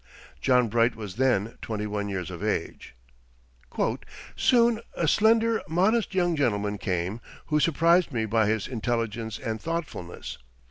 John Bright was then twenty one years of age. "Soon a slender, modest young gentleman came, who surprised me by his intelligence and thoughtfulness.